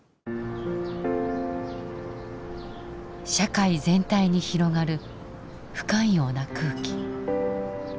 社会全体に広がる不寛容な空気。